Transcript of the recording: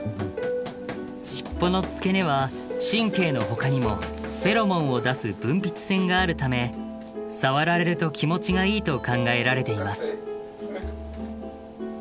しっぽの付け根は神経のほかにもフェロモンを出す分泌腺があるため触られると気持ちがいいと考えられています。